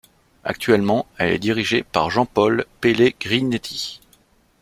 Actuellement, elle est dirigée par Jean-Paul Pellegrinetti.